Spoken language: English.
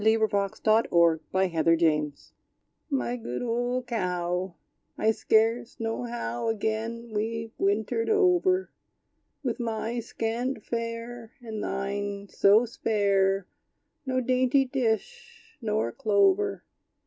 =The Old Cotter and his Cow= My good old Cow, I scarce know how Again we've wintered over; With my scant fare, And thine so spare No dainty dish, nor clover!